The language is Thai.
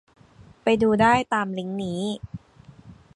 ไปดูได้ตามลิงก์นี้